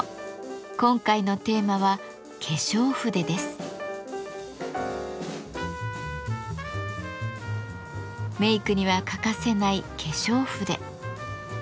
今回のテーマはメイクには欠かせない化粧筆。